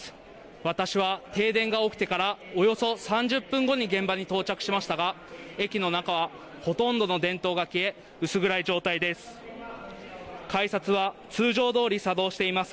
私は停電が起きてから、およそ３０分後に現場に到着しましたが駅の中は、ほとんどの電灯が消え薄暗い状態です。